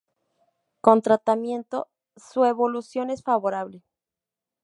Con tratamiento, su evolución es favorable.